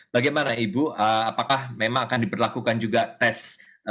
bagaimana ibu apakah memang akan diberlakukan juga tes